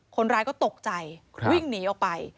คนร้ายก็ตกใจวิ่งหนีออกไป